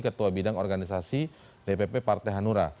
ketua bidang organisasi dpp partai hanura